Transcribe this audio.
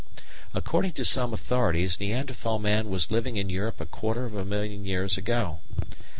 According to some authorities Neanderthal man was living in Europe a quarter of a million years ago.